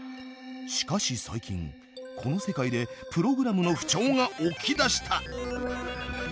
しかし最近この世界でプログラムの不調が起きだした！